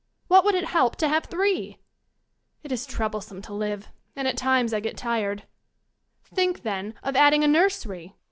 What would it help to have three ? It is troublesome to live, and at times I get tired Think, then, of adding a nursery